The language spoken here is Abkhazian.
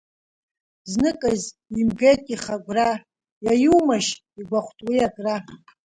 Зныказ имгеит ихы агәра, иаиумашь игәахәт уи агра.